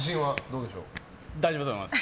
大丈夫だと思います。